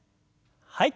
はい。